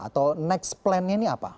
atau next plan nya ini apa